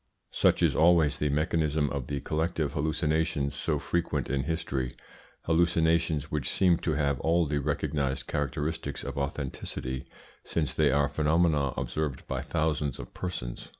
Such is always the mechanism of the collective hallucinations so frequent in history hallucinations which seem to have all the recognised characteristics of authenticity, since they are phenomena observed by thousands of persons.